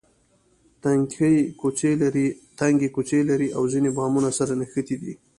تنګې کوڅې لري او ځینې بامونه سره نښتي دي.